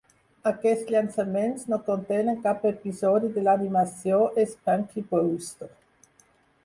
Aquests llançaments no contenen cap episodi de l'animació És Punky Brewster.